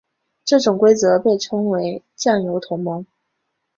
这种规则被称为酱油同盟。